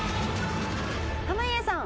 濱家さん